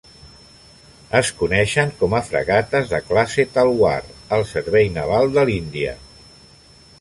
Es coneixen com a fragates de classe "Talwar" al servei naval de l'Índia.